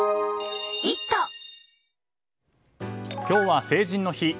今日は成人の日。